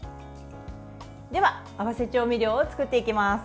では、合わせ調味料を作っていきます。